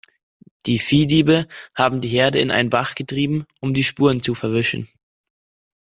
Die Viehdiebe haben die Herde in einen Bach getrieben, um die Spuren zu verwischen.